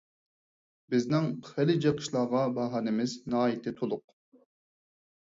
بىزنىڭ خېلى جىق ئىشلارغا باھانىمىز ناھايىتى تولۇق.